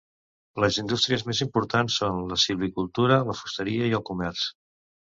Les indústries més importants són la silvicultura, la fusteria i el comerç.